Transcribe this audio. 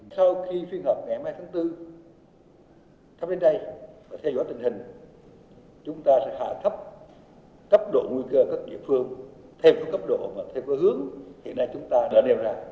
cấp độ nguy cơ các địa phương thêm có cấp độ mà thêm có hướng hiện nay chúng ta đã nêu ra